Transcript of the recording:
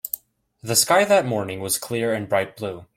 The sky that morning was clear and bright blue.